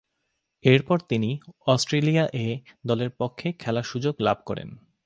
এরপর তিনি Australia A দলের পক্ষে খেলার সুযোগ লাভ করেন।